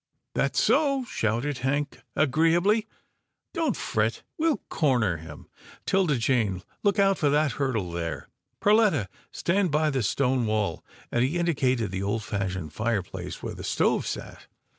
"That's so," shouted Hank agreeably, "don't fret, sir, we'll corner him. 'Tilda Jane, look out for that hurdle there. Perletta, stand by the stone wall," and he indicated the old fashioned fireplace where the stove sat.